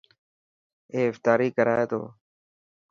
اي افتاري ڪرائي تو.